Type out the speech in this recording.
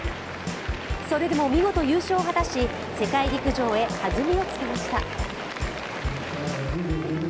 それでも見事、優勝を果たし世界陸上へ弾みをつけました。